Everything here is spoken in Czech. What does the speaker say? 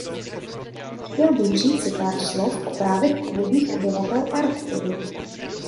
Chtěl bych říci pár slov o právech původních obyvatel Arktidy.